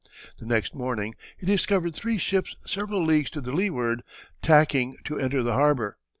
The next morning he discovered three ships several leagues to the leeward, tacking to enter the harbor.